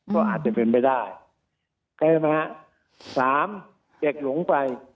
ก็อาจจะเป็นไปได้ใช่ไหมครับสามเด็กหลงไป